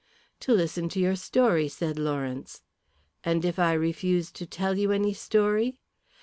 "To listen to your story," said Lawrence. "And if I refuse to tell you any story?"